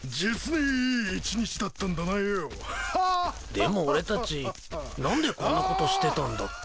でも俺たち何でこんなことしてたんだっけ？